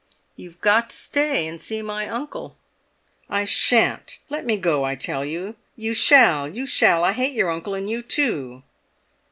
"You've got to stay and see my uncle." "I shan't! Let me go, I tell you! You shall you shall! I hate your uncle, and you too!"